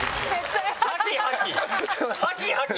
「ハキハキ」！